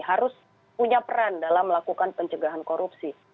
harus punya peran dalam melakukan pencegahan korupsi